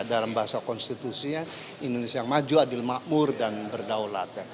dalam bahasa konstitusinya indonesia yang maju adil makmur dan berdaulat